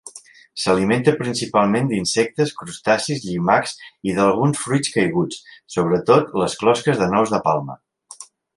S'alimenta principalment d'insectes, crustacis, llimacs i alguns fruits caiguts, sobretot les closques de nous de palma.